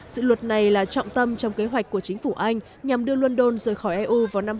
dự luật này là trọng tâm trong kế hoạch của chính phủ anh nhằm đưa london rời khỏi eu vào